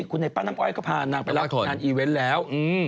คุณไอ้ป้าน้ำอ้อยก็พานางไปรับงานอีเวนต์แล้ว